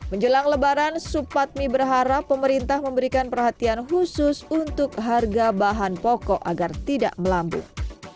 menjelang lebaran supatmi berharap pemerintah memberikan perhatian khusus untuk harga bahan pokok agar tidak melambung